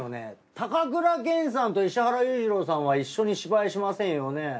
高倉健さんと石原裕次郎さんは一緒に芝居しませんよね？